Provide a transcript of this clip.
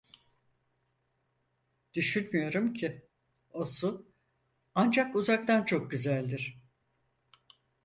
Düşünmüyorum ki, o su, ancak uzaktan çok güzeldir.